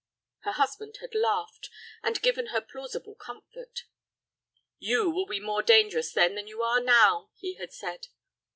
Her husband had laughed, and given her plausible comfort. "You will be more dangerous then than you are now," he had said.